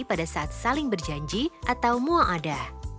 pada saat saling berjanji atau mua ada